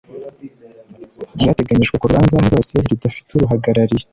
ryateganyijwe ku rubanza rwose ridafite uruhagarariye